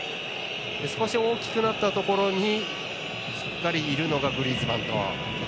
少し大きくなったところにしっかりいるのがグリーズマンと。